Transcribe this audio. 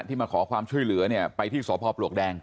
มาขอความช่วยเหลือเนี่ยไปที่สพปลวกแดง